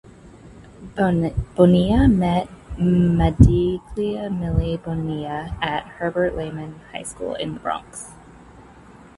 Bonilla met Madiglia "Millie" Bonilla at Herbert Lehman High School in The Bronx.